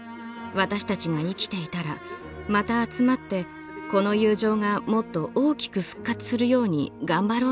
私たちが生きていたらまた集まってこの友情がもっと大きく復活するように頑張ろうと思います。